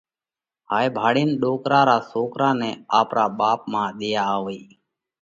هائي ڀاۯينَ ڏوڪرا را سوڪرا نئہ آپرا ٻاپ مانه ۮئيا آوئِي.